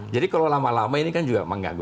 kalau lama lama ini kan juga mengganggu